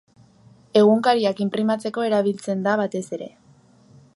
Egunkariak inprimatzeko erabiltzen da batez ere.